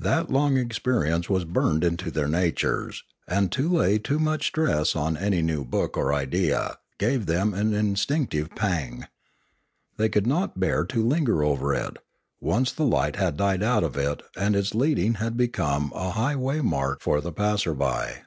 That long experience was burned into their natures; and to lay too much stress on any new book or idea gave them an instinctive pang. They could not bear to linger over it, once the light had died out of it and its leading had become a highway mark for the passer by.